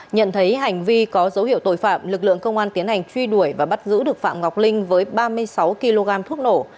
nhận thấy hành vi có dấu hiệu tội phạm lực lượng công an tiến hành truy đuổi và bắt giữ được phạm ngọc linh với ba mươi sáu kg thuốc nổ